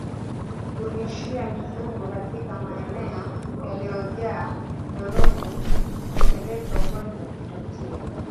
Kulishia mifugo katika maeneo yaliyojaa ndorobo hupelekea ugonjwa kutokea